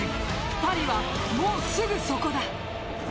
パリはもうすぐそこだ。